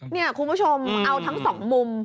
นี่คุณผู้ชมเอาทั้งสองมุม